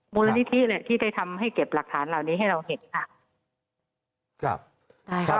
มูลนิธิแหละที่ได้ทำให้เก็บหลักฐานเหล่านี้ให้เราเห็นค่ะ